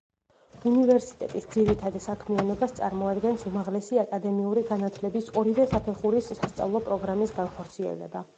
უნივერსიტეტის ძირითად საქმიანობას წარმოადგენს უმაღლესი აკადემიური განათლების ორივე საფეხურის სასწავლო პროგრამის განხორციელება.